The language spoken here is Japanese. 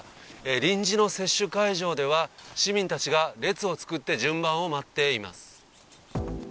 臨時の接種会場では、市民たちが列を作って順番を待っています。